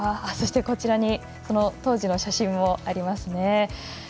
そして、こちらに当時の写真もあります。